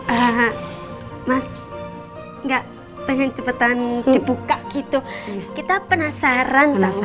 hahaha mas gak pengen cepetan dibuka gitu kita penasaran